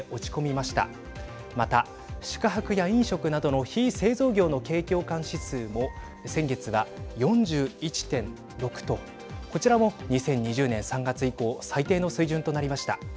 また、宿泊や飲食などの非製造業の景況感指数も先月は４１．６とこちらも２０２０年３月以降最低の水準となりました。